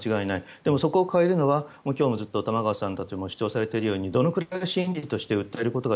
でもそこを変えるのは今日もずっと玉川さんたちも主張しているようにどのように心理に訴えかけるか。